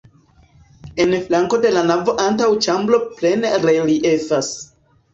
En flanko de la navo antaŭĉambro plene reliefas.